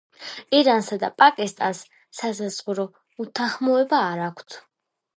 ირანსა და პაკისტანს სასაზღვრო უთანხმოებები არ აქვთ.